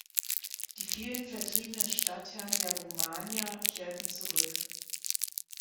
Die vielen vertriebenen Stadtherren der Romagna kehrten zurück.